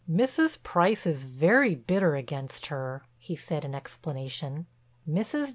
"Mrs. Price is very bitter against her," he said in explanation. Mrs.